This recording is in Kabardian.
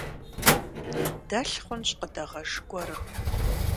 Дэлъ хъунщ къыдэгъэж гуэрым.